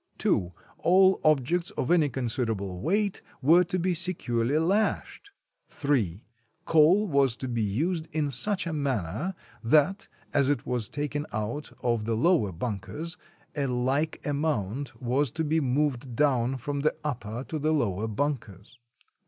(2) All objects of any considerable weight were to be securely lashed. (3) Coal was to be used in such a manner, that, as it was taken out of the lower bunkers, a like amount was to be moved down from the upper to the lower bunkers.